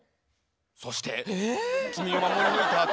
そして君を守り抜いたあと」。